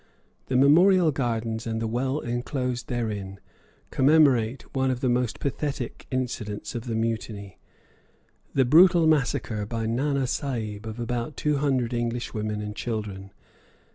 The Memorial Gardens and the well enclosed therein commemorate one of the most pathetic incidents of the mutiny the brutal massacre by Nana Sahib of about two hundred English women and children.